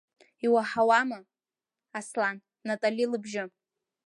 Иуаҳама, Аслан, Натали лыбжьы?